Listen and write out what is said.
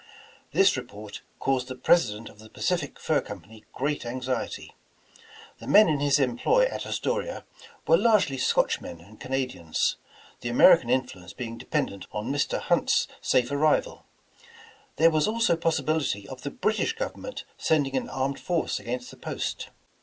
This report caused the President of the Pacific Fur Com pany great anxiety. The men in his employ at As toria were largely Scotchmen and Canadians, the American influence being dependent on Mr. Hunt's safe arrival. There was also possibility of the British government sending an armed force against the post.